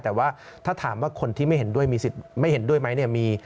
แต่ว่าถ้าถามว่าคนที่ไม่เห็นด้วยมีสิทธิ์ไม่เห็นด้วยไหมเนี่ย